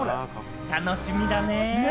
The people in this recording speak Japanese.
楽しみだね。